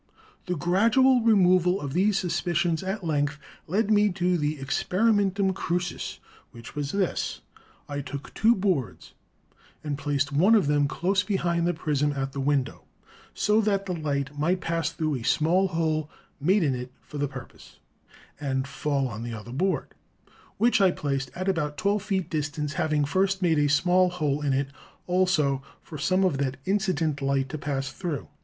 "The gradual removal of these suspicions at length led me to the experimentum crucis, which was this: I took two boards, and placed one of them close behind the prism at the window, so that the light might pass through a THE NATURE OF LIGHT 101 small hole, made in it for the purpose, and fall on the other board, which I placed at about twelve feet distance, hav ing first made a small hole in it also, for some of that in cident light to pass through.